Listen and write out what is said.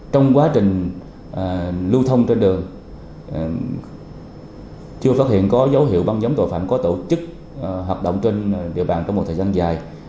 trong quá trình lưu thông trên đường chưa phát hiện có dấu hiệu băng nhóm tội phạm có tổ chức hoạt động trên địa bàn trong một thời gian dài